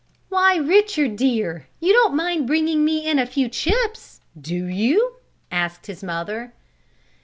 "Why, Richard, dear! You don't mind bringing me in a few chips; do you?" asked his mother.